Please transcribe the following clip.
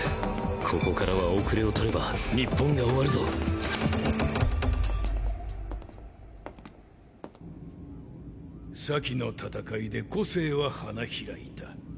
ここからはおくれを取れば日本が終わるぞ！先の戦いで個性は花開いた。